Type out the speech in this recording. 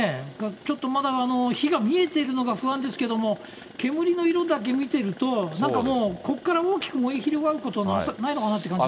ちょっとまだ火が見えているのが不安ですけども、煙の色だけ見てると、なんかもうここから大きく燃え広がることはないのかなって感じも。